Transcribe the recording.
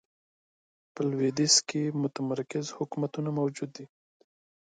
په لوېدیځ کې متمرکز حکومتونه موجود و.